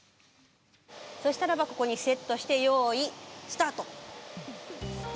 そしたらばここにセットして用意スタート！